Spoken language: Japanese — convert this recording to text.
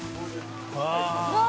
うわ。